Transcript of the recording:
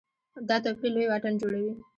دا توپیر لوی واټن جوړوي.